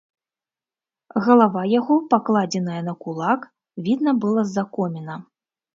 Галава яго, пакладзеная на кулак, відна была з-за коміна.